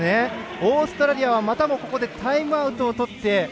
オーストラリアは、またもここでタイムアウトをとって。